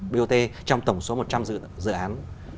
bot trong tổng số một trăm linh dự án